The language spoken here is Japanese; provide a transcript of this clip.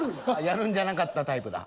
やるんじゃなかったタイプだ。